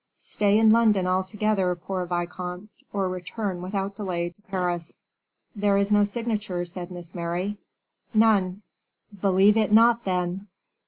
Stay in London altogether, poor vicomte, or return without delay to Paris." "There is no signature," said Miss Mary. "None." "Believe it not, then."